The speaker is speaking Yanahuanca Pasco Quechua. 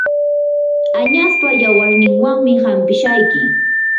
añaspa yawarninwanmi hanpishayki.